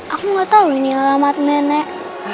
aku nggak tahu ini alamat nenek